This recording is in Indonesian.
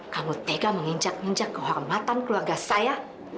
kamu tega menginjak injak kehormatan keluarga saya